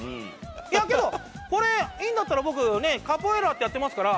いやけどこれいいんだったら僕ねカポエイラってやってますから。